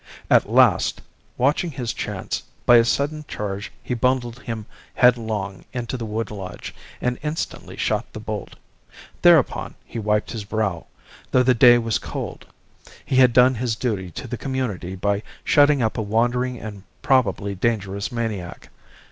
At last, watching his chance, by a sudden charge he bundled him headlong into the wood lodge, and instantly shot the bolt. Thereupon he wiped his brow, though the day was cold. He had done his duty to the community by shutting up a wandering and probably dangerous maniac.